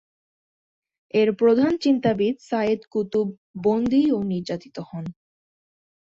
এর প্রধান চিন্তাবিদ সাইয়েদ কুতুব বন্দী ও নির্যাতিত হন।